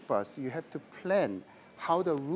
kita harus memplankan